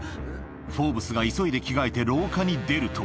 フォーブスが急いで着替えて廊下に出ると